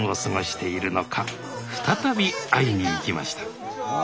再び会いに行きました